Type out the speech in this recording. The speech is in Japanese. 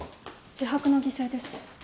自白の擬制です。